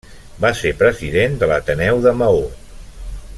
Va ser president de l'Ateneu de Maó.